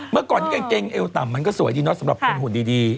เมื่อก่อนที่กางเกงเอวต่ำมันก็สวยดีเนาะสำหรับคนหุ่นดี